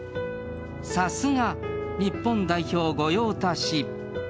さすが、日本代表御用達。